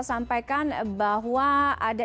sampaikan bahwa ada